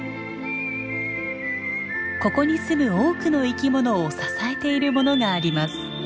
ここに住む多くの生き物を支えているものがあります。